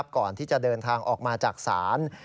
ก่อนที่จะเดินทางออกมาจากศาล